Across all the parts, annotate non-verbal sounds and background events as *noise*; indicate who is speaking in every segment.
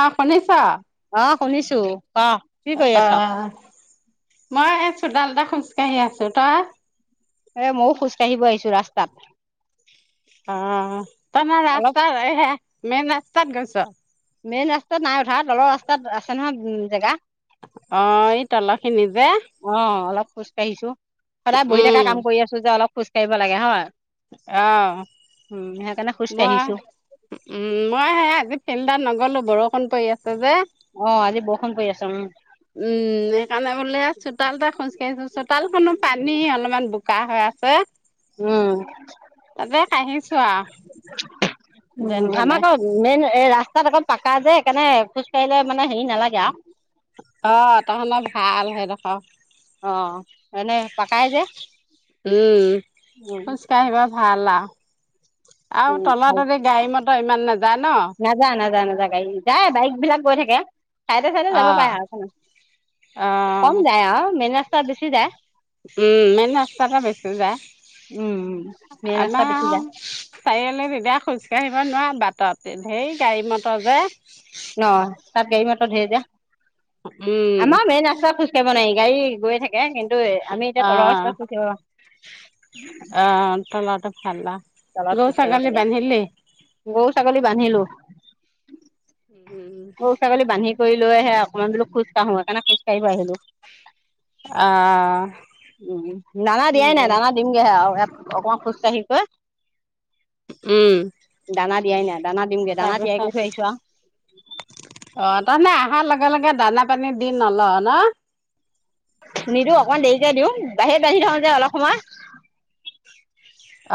Speaker 1: অ শুনিছ।
Speaker 2: অ শুনিছো। ক কি কৰি
Speaker 1: অ
Speaker 2: আছ
Speaker 1: মই। চোতালতে খোজ কঢ়ি আছো তই।
Speaker 2: এ ময়ো খোজ কাঢ়িব আহিছো ৰাস্তাত।
Speaker 1: অ তমাৰ
Speaker 2: অলপ
Speaker 1: ৰাস্তাহে মেইন ৰাস্তাত গৈছে
Speaker 2: মেন ৰাস্তা নাই। ঘা তলৰ ৰাস্তাত আছে নহয় উম জেগা
Speaker 1: অ' এই তল খিনি যে
Speaker 2: অ' অলপ খোজকাঢ়িছো। সদায় বহি থকা
Speaker 1: উম
Speaker 2: কাম কৰি আছো যে অলপ খোজ কৰিব লাগে হয়
Speaker 1: অ'
Speaker 2: উম সেইকাৰণে খোজ
Speaker 1: মই
Speaker 2: কাঢ়িছো
Speaker 1: উ মই সেই আজি ফিল্ডত নগ'লো বৰষ ফোন কৰি আছে যে
Speaker 2: অ 'আজি বৰষুণ পৰি আছে উম
Speaker 1: উম সেইকাৰণে বোলে চোতাল তে খোজ ককাঢ়িছো চোতালখনো পানী অলপমান ব কাহ হৈ আছে
Speaker 2: উম
Speaker 1: তাতে কাঢ়িছো আহ যেন তেনে।
Speaker 2: তাত অকল পাকা যে সেইকাৰণে খোজ কঢ়িলে মানে হেৰি নালাগে আৰু
Speaker 1: অ' তহঁ‌ত ভাল সেইডখৰ
Speaker 2: অ' এনে পকাই যে
Speaker 1: উম
Speaker 2: উম।
Speaker 1: খোজকাঢ়িব ভাল আ আৰু তলত গাই মত ইমান নাযায় ন
Speaker 2: নাজা নাজা ন গাড়ী যায় বাইক বিলাক গৈ থাকে। চাইতে চাইতে
Speaker 1: অ
Speaker 2: যাব পাৰে আৰু
Speaker 1: অ
Speaker 2: কম যায় আৰু মেন ৰা বেছি যায়।
Speaker 1: উম মেইন ৰাস্তাতে বেছি
Speaker 2: উম উম
Speaker 1: যায়
Speaker 2: মেইন ৰাস্তা
Speaker 1: আমাৰ
Speaker 2: বেছি যায়
Speaker 1: চাৰিআলি এতিয়া হৈ আহিব নোৱাৰোঁ বাটত ধেই গাড়ী মটৰ যে
Speaker 2: ভেজা *unintelligible*
Speaker 1: উম
Speaker 2: আমাৰ মেন ৰাস্তা খোজকাঢ়িব নাহিবি। গাড়ী গৈ থাকে। এইটোয়ে আমি এতিয়া
Speaker 1: অ
Speaker 2: তলৰ ৰাস্তা খোজ
Speaker 1: ভালা *unintelligible*
Speaker 2: জালত খোজকাঢ়িবাৰয়া গৰু ছাগলী বান্ধিলো
Speaker 1: উম
Speaker 2: গ‌ৰু ছাগলী বান্ধি কৰি লৈ আহে অকণমান বোলো খোজ কাঢ়ো সেই কাৰণে‌ খোজ কাঢ়িব আহিলো।
Speaker 1: আহ
Speaker 2: উম দানা দিয়াই নাই দানা দিমগে হে আও অকমান খুজ কাহি কৈ
Speaker 1: উম
Speaker 2: দানা দিয়াই নাই দানা দিমগে দানা তিয়াই
Speaker 1: তাৰপিছত
Speaker 2: কৰি থৈ আহিছো আও।
Speaker 1: অ তাৰমানে অহাৰ লগে লগে দানা পানী দি নল ন?
Speaker 2: নিদো অকমান দেৰিকে দিওঁ বাহিৰত বান্ধি থ‌ওঁ যে অলপ সময়।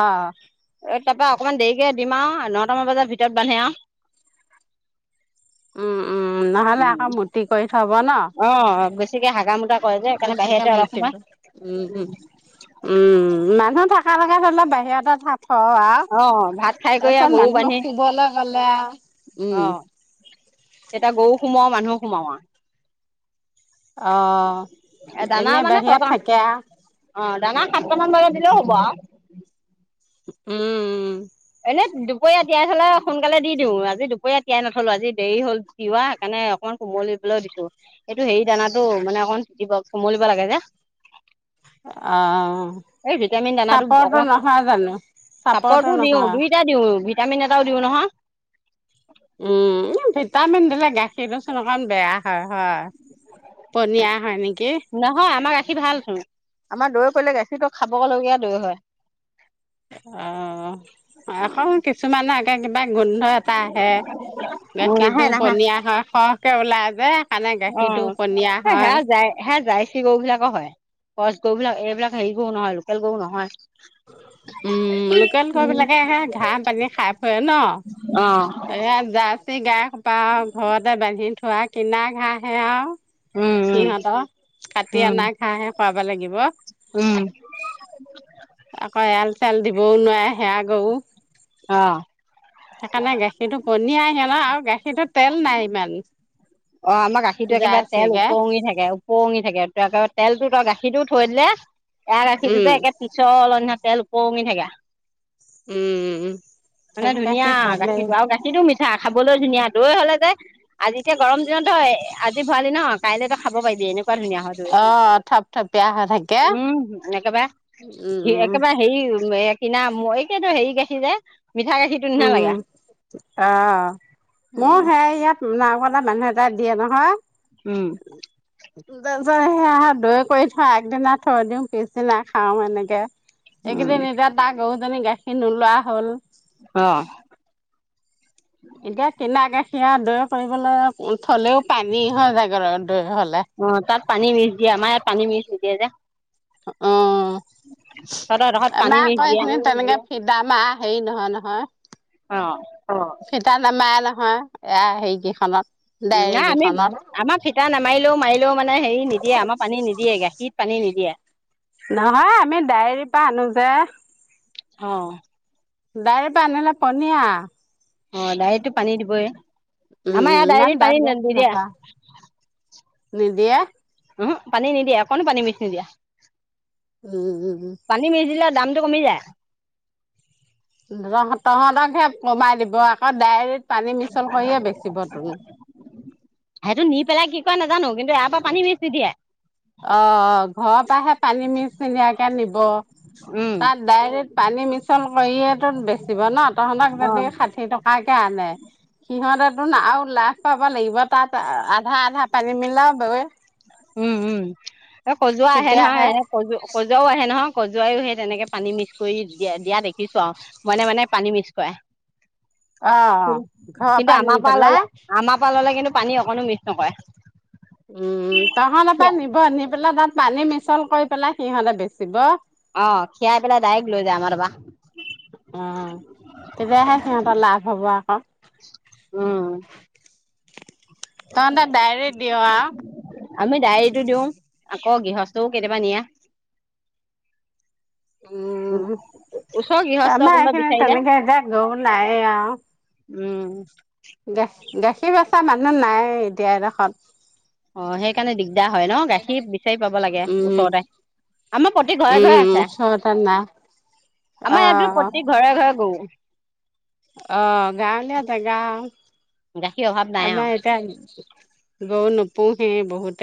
Speaker 1: অ
Speaker 2: ত তাৰ পা অকণমান দেৰিকে দিম আও নটামান বজাত ভিতত বান্ধিম আও।
Speaker 1: উম উম নহলে আকৌ মূৰ্তি কৰি থব ন!
Speaker 2: চে হাগা মুতা কৰে যে সেইকাৰণে
Speaker 1: বেছিকে
Speaker 2: বাহিৰতে অলপ
Speaker 1: মুটিব
Speaker 2: সময়
Speaker 1: উম উম উম মানুহ থাক ভাল লগে ধৰিলে বাহিৰ এটা থ থওঁ আৰু
Speaker 2: অ ভাত খাই কৰি
Speaker 1: তাৰপিছত
Speaker 2: আৰু গৰু
Speaker 1: মানুহ
Speaker 2: বান্ধি,
Speaker 1: শুবলৈ গ'লে আৰু উম।
Speaker 2: অ এতিয়া গৰু সোমোৱা মানুহ সোমাৱা
Speaker 1: আহ
Speaker 2: দানা
Speaker 1: এনে বাহিয়ত থাকে আও।
Speaker 2: সাতটা মান বাৰত দিলেও হ'ব আও।
Speaker 1: উম উ
Speaker 2: এনে দুপৰীয়া তিয়াই থলে সোনকালে দি দিওঁ, আজি দুপৰীয়া তিয়াই নথলো আজি দেৰি হ'ল তিওৱা সেইকাৰণে অকণমান কোমল পেলও দিলো এইেইটো হেৰি দানাতো মানে অকণ চিটিব কোমলিব লাগে যে
Speaker 1: অ
Speaker 2: এই ভিটামিন দানাটো
Speaker 1: চাপৰটো
Speaker 2: অকমান
Speaker 1: নহয় জানো,
Speaker 2: চাপৰতো
Speaker 1: চাপৰটো
Speaker 2: দিও
Speaker 1: নহয়
Speaker 2: দুইটা ভিটামিন এটাও দিওঁ নহয়
Speaker 1: টামিন দিলে গা সেই বস্তুটো অকণ বেয়া হয় হয় পনীয়া হয় নেকি-
Speaker 2: নহয় আমাৰ গাখীৰ ভাল চুন। আমাৰ দৈ কৰিলে গাখীৰটো খাব লগীয়া দৈ হয়।
Speaker 1: অ আকৌ কিছুমানে আগ কিবা গোন্ধ আহে।
Speaker 2: নাহে
Speaker 1: গাখীৰটো
Speaker 2: নাহে
Speaker 1: পনিয়া হয়, কে ওলাই যে, সেইকাৰণে
Speaker 2: অ
Speaker 1: গাখীৰটো পনীয়া
Speaker 2: সে
Speaker 1: হয়।
Speaker 2: যায় হে যাই পুঠি গৰু বিলাক হয় গছ গৰু বিলাক এইবিলাক হেৰি গৰু নহয় লোকেল গৰু নহয়
Speaker 1: উম লোকেল গৰু বিলাকে হে ঘাঁহ পানী খাই ফুৰে ন!
Speaker 2: অ
Speaker 1: এ জাৰ্চি গাই সোপা ঘৰতে বান্ধি থয় কিনা ঘাঁহে আও
Speaker 2: উম উম
Speaker 1: সিহঁতৰ কাটি
Speaker 2: উম
Speaker 1: অনা ঘাঁহহে খুৱাব লাগিব।
Speaker 2: উম
Speaker 1: আকৌ এৰাল চেৰাল দিবও নোৱাৰে সেয়া গৰু
Speaker 2: অ
Speaker 1: সেইকাৰণে গাখীৰটো পনীয়া সিহঁতৰ আৰু গাখীৰটো তেল নাই ইমান
Speaker 2: অ আমাৰ গাখীৰটো একোৰে
Speaker 1: জাৰ্চি
Speaker 2: তেল
Speaker 1: গাই।
Speaker 2: ওপঙি থাকে উপঙি থাকে ত একেবাৰে তেল তোৰ গাখীৰটো থৈ দিলে এৰা ৰাখিছো
Speaker 1: উম,
Speaker 2: যে একে পিছল নিচিনা তেল উপঙি থাকে
Speaker 1: উম, উম,
Speaker 2: মানে
Speaker 1: সেইটো
Speaker 2: ধুনীয়া
Speaker 1: গাখীৰ ভালেই
Speaker 2: গাখীৰটো আৰু গাখীৰটো মিঠ পিঠা খাবলৈ ধুনীয়া দৈ হলে যে আজিতে গৰম এদিনতেই হই‌ আজি ভৰালি ন? কাইলৈ তই খাব পাৰিবি এনেও
Speaker 1: অ থপ থপিয়া থাকে
Speaker 2: উম একেবাৰে
Speaker 1: উম
Speaker 2: একেবাৰে হেৰি উম এ কিনা মই কি হেৰি গাখীৰ যে, মিঠা গাখীৰটো নিচিনা লাগে।
Speaker 1: উম আহ
Speaker 2: উম
Speaker 1: মোৰ সে ইয়াত নাও কটা মানুহ এটা দিয়ে নহয়
Speaker 2: উম
Speaker 1: তাৰপিছত সেই আ দৈ কৰি থওঁ আগদিনা থৈ দিওঁ পিছদিনা খাওঁ এনেকে
Speaker 2: উম
Speaker 1: এইকেইদিন এতিয়া তাক গৰুজনী গাই নোলোৱা হ'ল
Speaker 2: অ
Speaker 1: এতিয়া কিনা গাখী আ দৈ কৰিবলৈ থলেও পানী হৈ যায়গৈ দৈ হলে।
Speaker 2: অ তাত পানী মিছ দিয়ে আমাৰ ইয়াত পানী মিছ নি দিয়ে যে-
Speaker 1: অ
Speaker 2: তহঁতৰ এডোখৰত
Speaker 1: আমা
Speaker 2: পানী মিক্স
Speaker 1: আকৌ
Speaker 2: দিয়ে
Speaker 1: সেইখিনি তাৰ মানে ফি আমাৰ হেৰি নহয় নহয়
Speaker 2: অ
Speaker 1: ফিতা নমাৰে নহয় হেৰিকেইখনত
Speaker 2: উ নাই আমি আমাৰ ফিতা নামাৰিলেও মাৰিলেও মানে হেৰি নিদিয়ে আমাৰ পানী নিদিয়ে গাখীত পানী নিদিয়ে,
Speaker 1: নহয় আমি ডায়েৰীৰ পৰা আনো যে
Speaker 2: অ
Speaker 1: ডাইৰ‌‌ পৰা আনিলে পনীয়া
Speaker 2: অ ডাইটো পানী দিবইয়ে, আমাৰ
Speaker 1: উম,
Speaker 2: ইয়াত
Speaker 1: ইমান ডাঠ
Speaker 2: ডাইৰিতপানী
Speaker 1: গাখীৰ
Speaker 2: নিদিয়ে।
Speaker 1: নাপাওঁ নিদিয়ে
Speaker 2: উম পানি নিদিয়া অকণো পানী মিকচ নিদিয়া
Speaker 1: উম উম, উম উম।
Speaker 2: দামটো কমি যায়।
Speaker 1: পোন্ধৰশ। তহঁতক হে কমাই দিব আকৌ। ডাইৰেক্ট পানী মিছল কৰিয়ে বেচিব তোন।
Speaker 2: সেইটো নি পেলাই কি কৰে নাজানো কিন্তু ইয়াৰ পৰা পানি মিছ কৰি দিয়ে।
Speaker 1: অ ঘৰৰ পৰাহে পানী মিক্স নিনিয়াকে নিব।
Speaker 2: উম
Speaker 1: তাত ডাইৰেক্ট পানী মিছন কৰিয়টো বেচিব ন। তহতক
Speaker 2: অ
Speaker 1: যদি ষাঠি টকাকে আনে, সিহঁতেতো আৰু লাভ পাব লাগিব, তাত আধা আধা পানী মিলাব‌ই।
Speaker 2: উম উম। এ কজোৱা আহে
Speaker 1: তেতিয়াহে
Speaker 2: নহয়। এ কজ- কজোৱাও আহে নহয়। কজুৱাইও সেই তেনেকে পানী মিক্স কৰি দিয়া, দিয়া দেখিছো আৰু। মনে মনে পানী মিক্স কৰে।
Speaker 1: অ' ঘৰৰ
Speaker 2: কিন্তু
Speaker 1: নি
Speaker 2: আমাৰ পৰা ল'লে,
Speaker 1: পেলাই
Speaker 2: আমাৰ পৰা ল'লে কিন্তু পানী অকণো মিক্স নকৰে।
Speaker 1: উম, তহঁতৰ পৰা নিব, নি পেলাই তাত পানী মিক্স ছল কৰি পেলাই সিহঁতে বেচিব।
Speaker 2: অ', খীৰাই পেলাই ডাইৰেক্ট লৈ যায় আমাৰ তাৰপৰা।
Speaker 1: অ', তেতিয়াহে সিহঁতৰ লাভ হব আকৌ।
Speaker 2: উম।
Speaker 1: তহঁতে ডাইৰেক দিয় আৰু।
Speaker 2: আক গৃহস্থও কেতিয়াবা নিয়া।
Speaker 1: উম',
Speaker 2: ওচৰৰ গৃহস্থ
Speaker 1: আম
Speaker 2: কোনোবা
Speaker 1: এইখিন
Speaker 2: বিচাৰিলে
Speaker 1: তেনেকে যে গৰু নাই আৰু।
Speaker 2: উম'।
Speaker 1: গা গাখীৰ বেচা মানুহ নায়েই এতিয়া এইডোখৰত।
Speaker 2: অ', সেইকাৰণে দিগ দা হয় ন। গাখীৰ বিচাৰি পাব লাগে
Speaker 1: উম।
Speaker 2: ওচৰতে। আমাৰ প্ৰতি ঘৰে ঘৰে
Speaker 1: উম,
Speaker 2: আছে।
Speaker 1: ওচৰতে নাই।
Speaker 2: আমাৰ ইয়াত বোলা
Speaker 1: অ',
Speaker 2: প্ৰতি ঘৰে ঘৰে গৰু। উম।
Speaker 1: অ ', গাঁৱলীয়া জেগা আৰু।
Speaker 2: গাখীৰ অভাৱ নাই আৰু
Speaker 1: আমাৰ এটা গৰু নুপূহ হেয়ে বহুত।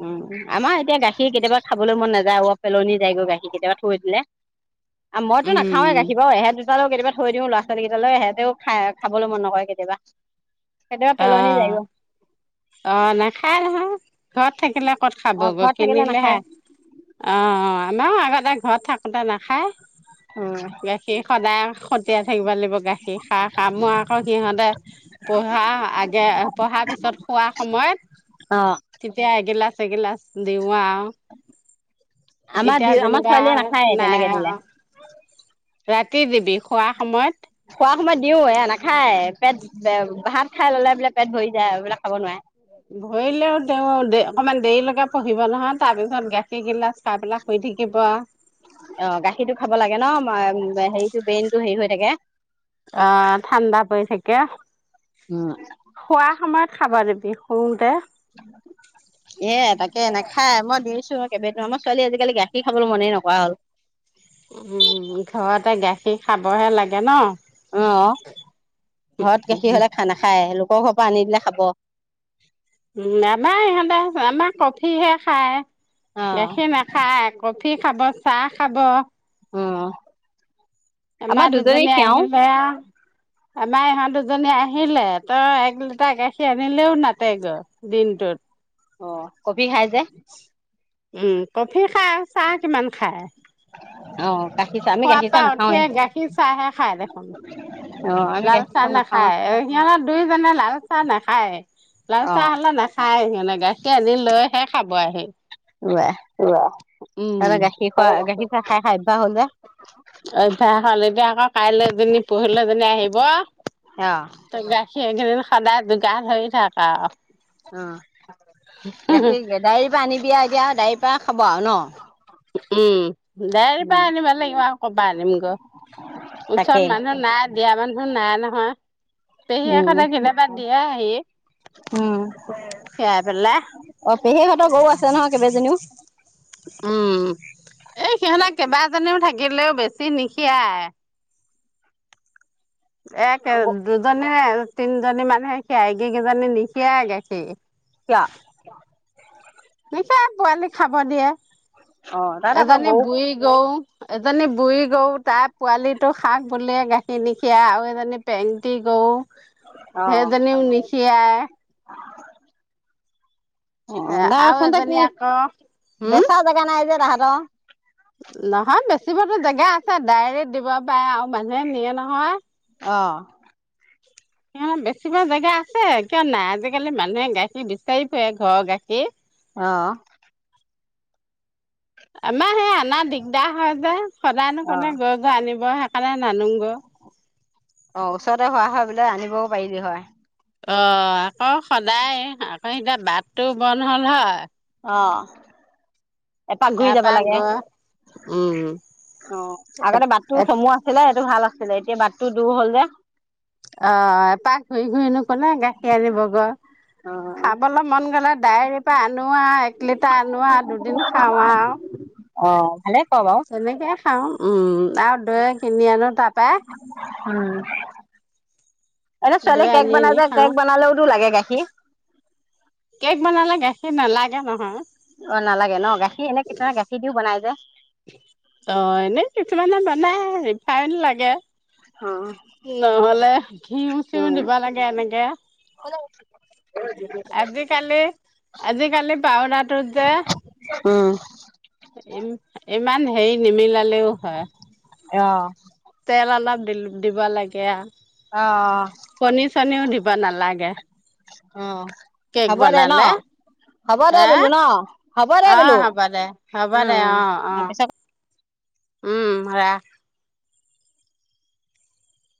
Speaker 2: উম ', আমাৰ এতিয়া গাখীৰ কেতিয়াবা খাবলৈ মন নাযায়, আৰু পেলনি যায়গৈ গাখীৰ কেতিয়াবা থৈ দিলে। মইতো নাযাওঁৱেই
Speaker 1: উম,
Speaker 2: গাখীৰ বাৰু। এহেত দুট টালৈ কেতিয়াবা থৈ দিওঁ ল'ৰা ছোৱালী কেইটালৈ। সিহঁতেও খাই, খাবলৈ মন নকৰে কেতিয়াবা। কেতিয়াবা পেলনি
Speaker 1: আহ,
Speaker 2: যায়গৈ
Speaker 1: আহ, নাখায় নহয়। ঘৰত থাকিলে কত
Speaker 2: অ
Speaker 1: খাবগৈ,
Speaker 2: ঘৰত থাকিলে
Speaker 1: কিনিলেহে।
Speaker 2: নাখায়
Speaker 1: অ, আমাৰ আগত এটা ঘৰত থাকোতে নাখায়।
Speaker 2: উম
Speaker 1: গাখীৰ সদায় খতিয়াই থাকিব লাগিব গাখীৰ খা খা মই আকৌ সিহঁতে প ধা আগে পঢ়াৰ পিছত শোৱা
Speaker 2: অ
Speaker 1: সময়ত তেতিয়া এগিলাচ এগিলাচ দিও।
Speaker 2: আমাৰ দি
Speaker 1: এতিয়া
Speaker 2: আমাৰ
Speaker 1: যেনিবা
Speaker 2: ছোৱালীয়ে নাখায়
Speaker 1: নাই
Speaker 2: তেনেকে দিলে
Speaker 1: আৰু ৰাতি দিবি শুৱাৰ সময়ত
Speaker 2: শুৱা সময়ত দিও এয়া নাখায় পেট ভাত খাই ললে বোলে পেট ভৰি যায় আৰু খাব নোৱাৰে।
Speaker 1: ভৰিলেও তেওঁ দে অকমান দেৰিলৈকে পঢ়িব নহয় তাৰ পিছত গাখীৰ গিলাচ খাই পেলাই শুই থাকিব আৰু
Speaker 2: অ গাখীৰটো খাব লাগে ন হেৰিটো ব্ৰেইন টো হেৰি হৈ থাকে।
Speaker 1: অ ঠাণ্ডা পৰি থাকে
Speaker 2: উম
Speaker 1: শুৱা সময়ত খাব দিবি। বি শোওঁতে।
Speaker 2: এ তাকে নেখায় মই দিছো। একে আমাৰ ছোৱালী আজিকালি গাখীৰ খাবলৈ মনেই নকৰা হ'ল
Speaker 1: উম ঘৰতে গাখীৰ খাবহে লাগে ন
Speaker 2: অ ঘৰত গাখীৰ হলে খা নাখায় লোক লোকৰ ঘৰ পৰা আনিদিলে খাব।
Speaker 1: উম আমাৰ ইহঁতে আমাৰ কফিহে খায়। গাখীৰ নাখাই আ ক কফি খাব চাহ খাব।
Speaker 2: অ।
Speaker 1: আমাৰ দুজনী আহিলে আৱ আমাৰ ইহঁত দুজনী আহিলে তই এক লিটাৰ গাখীৰ আনিলেও নাতে গৈ দিনটোত।
Speaker 2: অ ক বি খাই যে
Speaker 1: উম কফি খাই আৰু চাহ কিমান খাই?
Speaker 2: অ গাখীৰ চাহ আমি
Speaker 1: শুৱা
Speaker 2: গাখীৰ
Speaker 1: পা
Speaker 2: চাহ
Speaker 1: উঠিয়ে
Speaker 2: নাখাওৱে
Speaker 1: গাখীৰ চাহ হে খাই দেখোন।
Speaker 2: অ আমি
Speaker 1: লাল
Speaker 2: গাখীৰ
Speaker 1: চাহ
Speaker 2: নাখাওঁ
Speaker 1: নাখায় সিহঁত দুইজনে লাল চাহ নাখায়। লাল
Speaker 2: অ
Speaker 1: চাহ হলে নাখায়ে সিহতি মানে গাখীৰ আনি লৈ হে খাব আহি।
Speaker 2: সিহঁতে
Speaker 1: উম
Speaker 2: গাখীৰ খোৱা গাখীৰ চাহ খাই খাই অভ্যাস হ'ল যে
Speaker 1: অভ্যাস হলে বেয়া। কাইলৈ এজনী পহিলৈ এজনী আহিব
Speaker 2: অ
Speaker 1: ত গাখীৰ একে দিনাই সদায় যোগান ধৰি থাক আৰু
Speaker 2: অ গাখীৰ গেদাৰীৰ পৰা আনিবি আও এতিয়া আও তা খাব আৱ নহ,
Speaker 1: উম গেদাৰীৰ পৰা আনিব লাগিব আৰু ক'ৰ পা আনিম ক। ওচৰত
Speaker 2: তাকে
Speaker 1: মানুহ নাই দিয়া মানুহ নাই ন, পেহীয়েক
Speaker 2: উম
Speaker 1: হেতে কেতিয়াবা সেয়া হেৰি
Speaker 2: উম
Speaker 1: তিয়াই পেলাই
Speaker 2: অ পেহীহঁতৰ গৰু আছে নহয় কেইবাজনীও
Speaker 1: উম এই সিহঁত কেইবাজনীও থাকিলেও বেছি নিখিৰাই একে দুজনৰে তিনি জনী মানুহে খীয়াই একে কেজনী নিখিৰায় গাখীৰ
Speaker 2: ক *inaudible*
Speaker 1: নীখিয়াই পোৱালিক খাব দিয়ে
Speaker 2: অ তাত আকৌ
Speaker 1: এজনী
Speaker 2: গৰু
Speaker 1: বুঢ়ী গৌ, এজনী বুঢ়ী গৌ তাত পোৱালীটো খাওক বুলিয়ে গাখীৰ নিখিয়াই আও ইজনে পেংটি গৰু
Speaker 2: অ
Speaker 1: সেইজনিও নীখিয়াই আৰু
Speaker 2: অচতে
Speaker 1: এজনী
Speaker 2: কি
Speaker 1: আকৌ হম
Speaker 2: বেচা জোগা নাই যে ৰা *unintelligible* গ
Speaker 1: নহয় বেচিবতো জেগা আছে ডাইৰেক্ট দিব পাৰে আৰু মানুহে নিয়ে নহয়।
Speaker 2: অ
Speaker 1: বেছিব জেগা আছে কিয় নাই আজিকালি মানুহে গাখীৰ বিচাৰি ফুৰে ঘৰৰ গাখীৰ।
Speaker 2: আহ
Speaker 1: আমাৰ সেই আনা দিগদাৰ হয় যে, সদায়নো
Speaker 2: অ
Speaker 1: কোনে গৈ গৈ আনিব। বৱাহ *unintelligible* খালা নানোং ই,
Speaker 2: অ ওচৰতে হোৱা হয় বোলে আনিবও পাৰিলি হয়।
Speaker 1: অ আকৌ সদায় আকৌ এতিয়া বাটটো বন্ধ হ'ল হয়।
Speaker 2: অ এপাক ঘূৰি
Speaker 1: তাৰ
Speaker 2: যাব
Speaker 1: পৰা
Speaker 2: লাগে।
Speaker 1: গৈ উম
Speaker 2: অ আগতে বাটটো
Speaker 1: অ
Speaker 2: চমু আছিলে সেইটো ভাল আ ছিলে এতিয়া বাটটো দূৰ হ'ল যে।
Speaker 1: অ এ পাহ ঘূৰি ঘূৰিনো কোনে গাখীৰ আনিব গৈ। খাবলৈ মন গলে ডায়েৰীৰ পৰা আনো আও, এক লিটাৰ আনো আও দুদিন খাও আও
Speaker 2: অ ভালে ক বাৰু
Speaker 1: তেনেকে খাওঁ, উম। আও দৈ কিনি আনো তাত *unintelligible*
Speaker 2: উম। এনে ছোৱালীয়ে
Speaker 1: দৈ আনি
Speaker 2: কেক
Speaker 1: আনি
Speaker 2: বনাই যে,
Speaker 1: খাওঁ
Speaker 2: কেক বনালেওতো লাগে গাখী কি?
Speaker 1: কেক বনালে গাখীৰ নালাগে নহয়।
Speaker 2: নালাগে ন গাখীৰ? গাখীৰ এনে *unintelligible* গাখীৰ দিও বনাই যে।
Speaker 1: নাই। ৰিফাইন লাগে নহ'লে ঘিউ-চিউ দিব লাগে এনেকে। আজিকালি, আজিকালি পাউদাৰটোত যে,
Speaker 2: উম
Speaker 1: ইম ইমান হেৰি নিমিলালেও হয়।
Speaker 2: অহ।
Speaker 1: তেল অলপ দিল দিব লাগে আও।
Speaker 2: অ
Speaker 1: কণী-চনীও দিব নালাগে,
Speaker 2: অ
Speaker 1: কেক
Speaker 2: হ'ব দে ন
Speaker 1: বনালে।
Speaker 2: হ'ব দে
Speaker 1: হা,
Speaker 2: বোলো ন হ'ব দে
Speaker 1: অ
Speaker 2: বোলো
Speaker 1: হ'ব দে, হ'ব
Speaker 2: উম
Speaker 1: দে, অ, অ। উম ৰাখ।